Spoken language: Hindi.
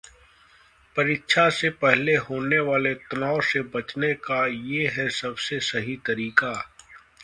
परीक्षा से पहले होने वाले तनाव से बचने का ये है सबसे सही तरीका...